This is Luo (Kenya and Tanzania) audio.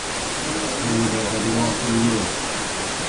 Rudh od luok gi ywech